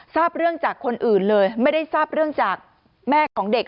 ทราบเรื่องจากคนอื่นเลยไม่ได้ทราบเรื่องจากแม่ของเด็ก